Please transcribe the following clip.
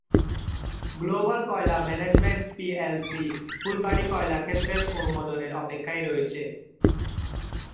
Global কয়লা management PLC Phulbari কয়লা ক্ষেত্রের অনুমোদনের অপেক্ষায় রয়েছে।